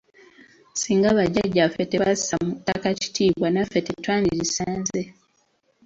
Singa bajjajjaffe tebassa mu ttaka kitiibwa naffe tetwandirisanze.